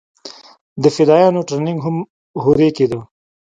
د فدايانو ټرېننگ هم هورې کېده.